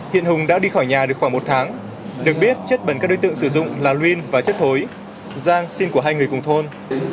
hiện hùng đã đi khỏi nhà được khoảng một tháng được biết chất bẩn các đối tượng sử dụng là luyên và chất thối giang xin của hai người cùng thôn